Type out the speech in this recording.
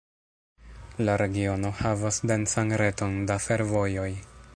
La regiono havas densan reton da fervojoj.